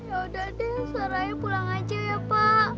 ya udah deh suaranya pulang aja ya pak